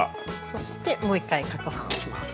そしてもう一回かくはんをします。